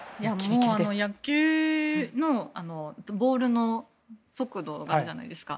野球のボールの速度があるじゃないですか。